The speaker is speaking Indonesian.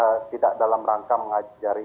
tidak dalam rangka mengajari